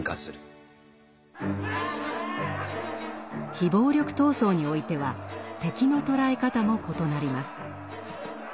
非暴力闘争においては「敵」の捉え方も異なります。